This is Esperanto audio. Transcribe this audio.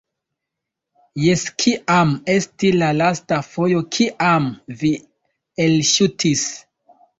Jes kiam estis la lasta fojo kiam vi elŝutis?